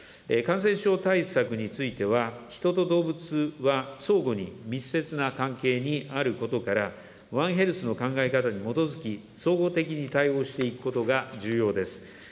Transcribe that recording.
感染症対策については、人と動物は相互に密接な関係にあることから、ワンヘルスの考え方に基づき、総合的に対応していくことが重要です。